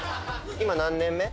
今何年目？